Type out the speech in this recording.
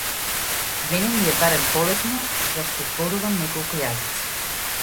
Мене ми е барем полесно зашто зборувам неколку јазици.